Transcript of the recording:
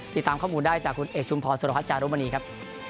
ติดตามข้อมูลได้จากคุณเอกชุมพรสุรพัฒนจารุมณีครับ